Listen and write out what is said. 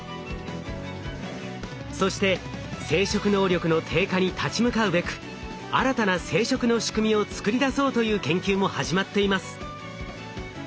そして生殖能力の低下に立ち向かうべく新たな生殖のしくみを作り出そうという研究も始まっています。